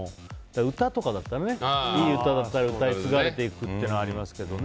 歌とかだったら、いい歌だったら歌い継がれていくっていうのがありますけどね。